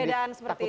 perbedaan seperti itu